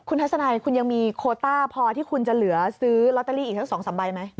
ทัศนัยคุณยังมีโคต้าพอที่คุณจะเหลือซื้อลอตเตอรี่อีกทั้ง๒๓ใบไหม